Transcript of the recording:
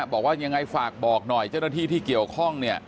บอกว่ายังไงฝากบอกหน่อยเจ้าหน้าที่ที่เกี่ยวข้อง